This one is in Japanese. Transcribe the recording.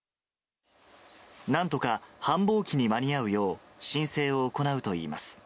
なんとか繁忙期に間に合うよう申請を行うといいます。